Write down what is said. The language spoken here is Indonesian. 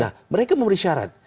nah mereka memberi syarat